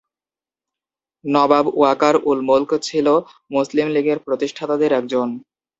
নবাব ওয়াকার উল-মুলক ছিল মুসলিম লীগের প্রতিষ্ঠাতাদের একজন।